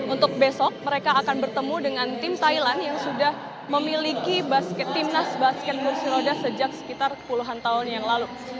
untuk besok mereka akan bertemu dengan tim thailand yang sudah memiliki timnas basket kursi roda sejak sekitar puluhan tahun yang lalu